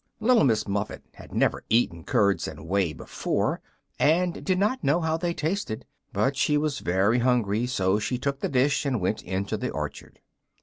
Little Miss Muffet had never eaten curds and whey before, and did not know how they tasted; but she was very hungry, so she took the dish and went into the orchard.